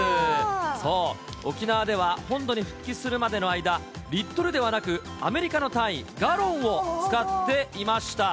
そう、沖縄では本土に復帰するまでの間、リットルではなく、アメリカの単位、ガロンを使っていました。